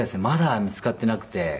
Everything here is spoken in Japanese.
まだ見付かってなくて。